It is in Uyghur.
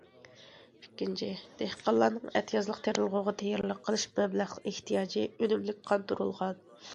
ئىككىنچى، دېھقانلارنىڭ ئەتىيازلىق تېرىلغۇغا تەييارلىق قىلىش مەبلەغ ئېھتىياجى ئۈنۈملۈك قاندۇرۇلغان.